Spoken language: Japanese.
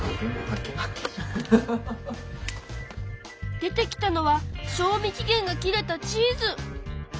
出てきたのは賞味期限が切れたチーズ！